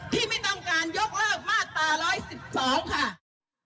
ไม่ต้องการยกเลิกมาตรา๑๑๒ค่ะ